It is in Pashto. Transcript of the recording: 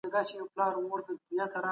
په دې تعریف کي پانګیز اجناس هېر سوي دي.